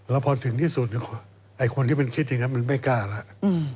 แล้วพอถึงที่สุดไอ้คนที่มันคิดอย่างนั้นมันไม่กล้าแล้ว